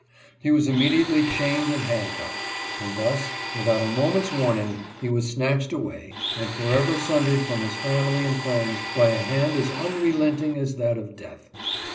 He was immediately chained and hand cuffed ; and thus, without a moment's warning, he was snatched away, and forever sundered from his family and friends by a hand as unrelenting as that of death.